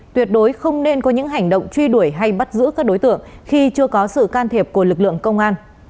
tuyệt đối không nên có những hành động truy đuổi hay bắt giữ các đối tượng khi chưa có sự can thiệp của lực lượng công an